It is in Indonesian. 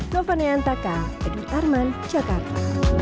dovani antaka eduk tarman jakarta